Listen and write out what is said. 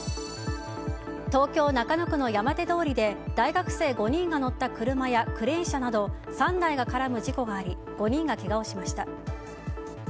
東京・中野区の山手通りで大学生５人が乗った車やクレーン車など３台が絡む事故があり５人がけがをしました。